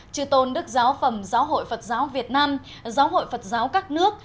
trừ tôn đức giáo phẩm giáo hội phật giáo việt nam giáo hội phật giáo các nước